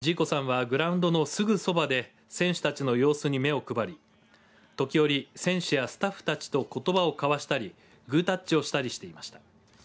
ジーコさんはグラウンドのすぐそばで選手たちの様子に目を配り時折、選手やスタッフたちとことばを交わしたりグータッチをしたりしていました。